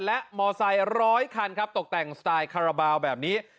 และมอไซค์๑๐๐คันตกแต่งสไตล์คาราบาลแบบนี้